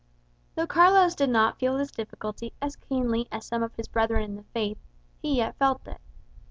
Though Carlos did not feel this difficulty as keenly as some of his brethren in the faith, he yet felt it.